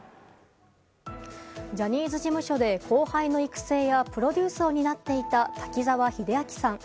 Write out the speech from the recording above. ジャニーズ事務所で後輩の育成やプロデュースを担っていた滝沢秀明さん。